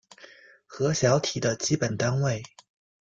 核小体的基本单位。